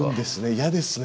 嫌ですね。